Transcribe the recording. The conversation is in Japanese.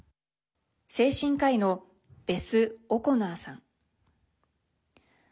精神科医のベス・オコナーさん。